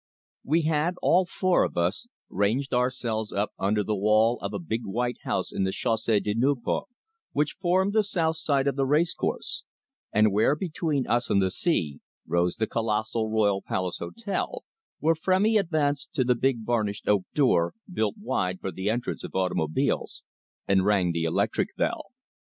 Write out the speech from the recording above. We had, all four of us, ranged ourselves up under the wall of a big white house in the Chausee de Nieuport, which formed the south side of the racecourse, and where, between us and the sea, rose the colossal Royal Palace Hotel, when Frémy advanced to the big varnished oak door, built wide for the entrance of automobiles, and rang the electric bell.